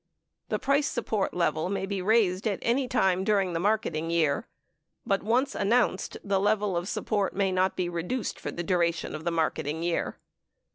The price support level may be raised at any time during the marketing year ; but once announced, the level of support may not be reduced for the duration of the marketing year.